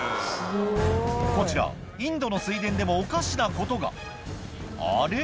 こちらインドの水田でもおかしなことがあれ？